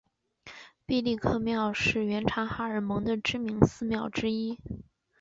毕力克庙是原察哈尔盟的知名寺庙之一。